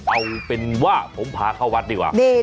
เอาเป็นว่าผมพาเข้าวัดดีกว่า